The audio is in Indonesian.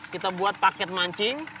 kita buat paket mancing